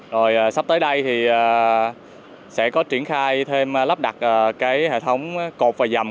rồi sắp tới đây thì sẽ có triển khai thêm lắp đặt cái hệ thống cột và dầm